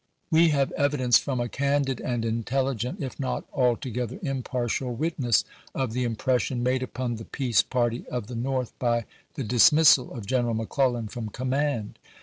We have evidence from a candid and intelligent, if not altogether impartial, witness of the impres sion made upon the peace party of the North by the dismissal of General McClellan from command.